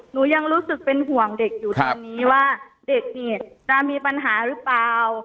หนูยังรู้สึกเป็นห่วงเด็กอยู่ตอนนี้ว่าเด็กเนี่ยจะมีปัญหาหรือเปล่า